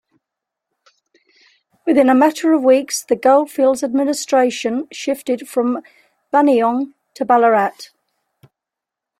Within a matter of weeks the goldfields administration shifted from Buninyong to Ballarat.